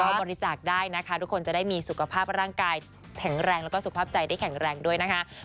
ก็บริจาคได้นะคะทุกคนจะได้มีสุขภาพร่างกายแข็งแรงแล้วก็สุขภาพใจได้แข็งแรงด้วยนะคะ